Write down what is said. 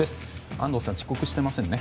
安藤さん、遅刻してませんよね？